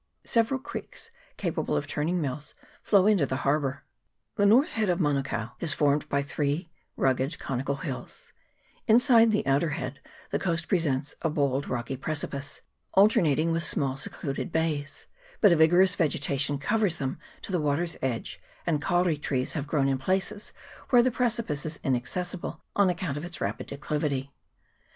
Several creeks, capable of turn ing mills, flow into the harbour. The north head of Manukao is formed by three rugged conical hills : inside the outer head the coast presents a bold rocky precipice, alternating with small secluded bays; but a vigorous vegeta tion covers them to the water's edge, and kauri trees have grown in places where the precipice is inaccessible on account of its rapid declivity.